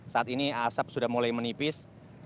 saat ini asap sudah mulai menipis